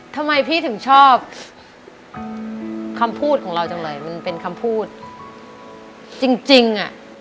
ทำไมพี่ถึงชอบคำพูดของเราจังเลยมันเป็นคำพูดจริงอ่ะ